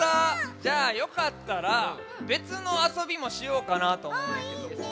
じゃあよかったらべつのあそびもしようかなとおもうねんけどもね。